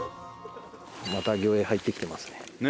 また魚影入ってきてますね。